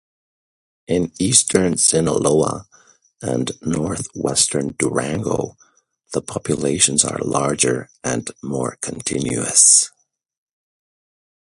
In eastern Sinaloa and northwestern Durango the populations are larger and more continuous.